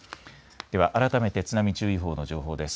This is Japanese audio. では改めて津波注意報の情報です。